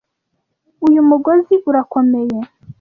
Uyu mugozi urakomeye.